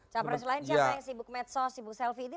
capres lain siapa yang sibuk medsos sibuk selfie ini